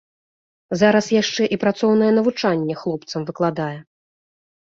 Зараз яшчэ і працоўнае навучанне хлопцам выкладае.